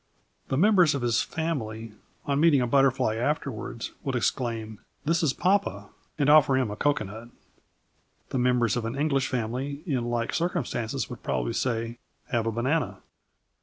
The members of his family, on meeting a butterfly afterwards, would exclaim: "This is papa," and offer him a coco nut. The members of an English family in like circumstances would probably say: "Have a banana."